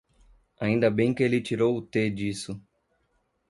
Ainda bem que ele tirou o "T" disso.